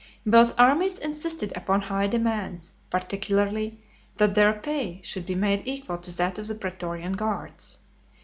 Both armies insisted upon high demands, particularly that their pay should be made equal to that of the pretorian guards.